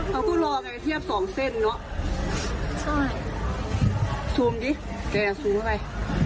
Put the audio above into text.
เขาก็รอไงเทียบสองเส้นเนอะใช่ซูมดิแกซูมเข้าไป